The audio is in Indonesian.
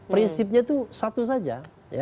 prinsipnya itu satu saja